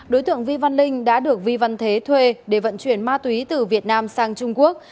đối tượng vi văn linh đã được vi văn thế thuê để vận chuyển ma túy từ việt nam sang trung quốc